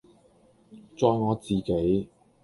在我自己，